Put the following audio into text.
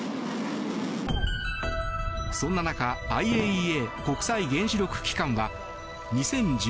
そんな中ＩＡＥＡ・国際原子力機関は２０１８年